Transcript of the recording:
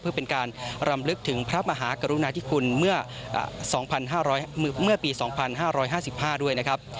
เพื่อเป็นการรำลึกถึงพระมหากรุณาธิคุณเมื่อ๒๕เมื่อปี๒๕๕๕ด้วยนะครับ